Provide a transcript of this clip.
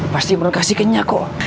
pasti imron kasih ke nya kok